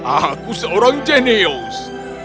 aku seorang jenis